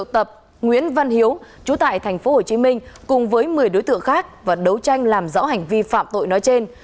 tập nguyễn văn hiếu chú tại tp hcm cùng với một mươi đối tượng khác và đấu tranh làm rõ hành vi phạm tội nói trên